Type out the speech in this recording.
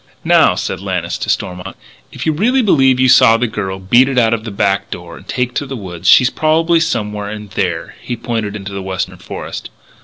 "Now," said Lannis to Stormont, "if you really believe you saw the girl beat it out of the back door and take to the woods, she's probably somewhere in there " he pointed into the western forest.